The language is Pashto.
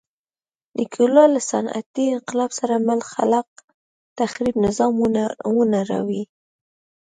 نیکولای له صنعتي انقلاب سره مل خلاق تخریب نظام ونړوي.